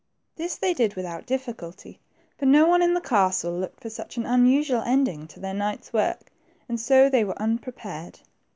This they did without difficulty, for no one in the castle looked for such an unusual ending to their night's work, and so they were unprepared.